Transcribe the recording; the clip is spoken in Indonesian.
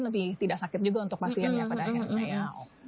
lebih tidak sakit juga untuk pasien ya pada akhirnya ya